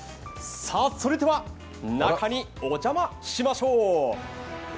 それでは中にお邪魔しましょう。